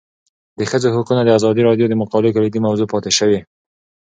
د ښځو حقونه د ازادي راډیو د مقالو کلیدي موضوع پاتې شوی.